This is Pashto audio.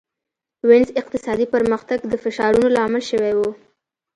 وینز اقتصادي پرمختګ د فشارونو لامل شوی و.